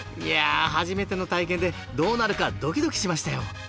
いや初めての体験でどうなるかドキドキしましたよ